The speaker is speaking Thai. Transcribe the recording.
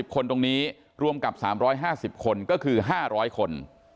คนตรงนี้รวมกับ๓๕๐คนก็คือ๕๐๐คน